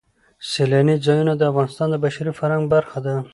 سیلاني ځایونه د افغانستان د بشري فرهنګ برخه ده.